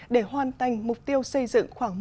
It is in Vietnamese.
để hoàn thành mục tiêu xây dựng khoảng